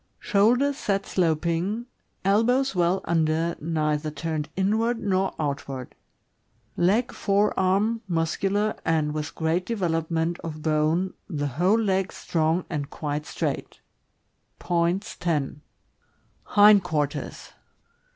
— Shoulders set sloping; elbows well under, neither turned inward nor outward. Leg — fore arm muscular and with great development of bone, the whole leg strong and quite straight Points, 10. Hind quarters.